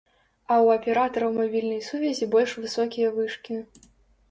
А ў аператараў мабільнай сувязі больш высокія вышкі.